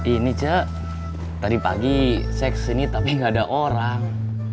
ini cak tadi pagi saya kesini tapi gak ada orang